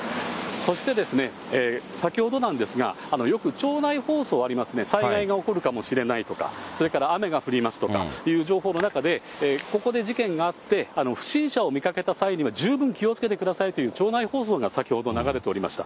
そして、先ほどなんですが、よく町内放送ありますね、災害が起こるかもしれないとか、それから雨が降りますとかという情報の中で、ここで事件があって、不審者を見かけた際には十分気をつけてくださいという町内放送が先ほど流れておりました。